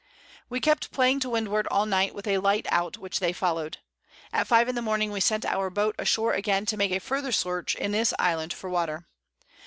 We kept plying to Windward all Night with a Light out, which they follow'd. At 5 in the Morning we sent our Boat ashore again to make a further Search in this Island for Water.